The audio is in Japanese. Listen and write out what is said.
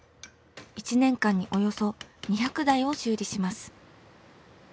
１年間におよそ２００台を修理します。